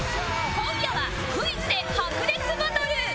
今夜はクイズで白熱バトル！